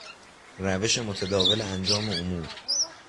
روش متداول انجام امور